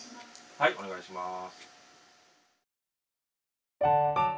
はいおねがいします。